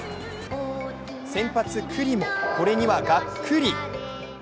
先発・九里もこれにはガックリ。